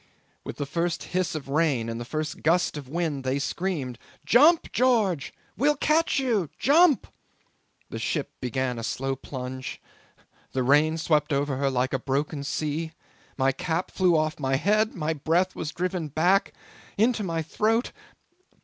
With the first hiss of rain, and the first gust of wind, they screamed, 'Jump, George! We'll catch you! Jump!' The ship began a slow plunge; the rain swept over her like a broken sea; my cap flew off my head; my breath was driven back into my throat.